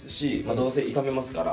どうせ炒めますから。